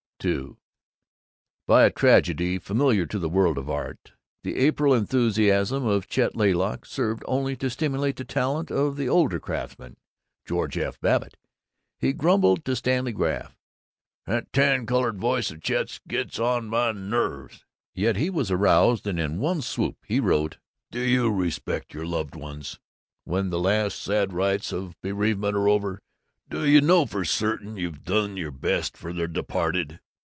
II By a tragedy familiar to the world of art, the April enthusiasm of Chet Laylock served only to stimulate the talent of the older craftsman, George F. Babbitt. He grumbled to Stanley Graff, "That tan colored voice of Chet's gets on my nerves," yet he was aroused and in one swoop he wrote: DO YOU RESPECT YOUR LOVED ONES? When the last sad rites of bereavement are over, do you know for certain that you have done your best for the Departed?